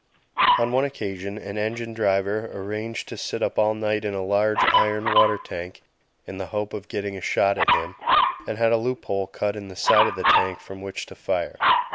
On one occasion an engine driver arranged to sit up all night in a large iron water tank in the hope of getting a shot at him, and had a loop hole cut in the side of the tank from which to fire.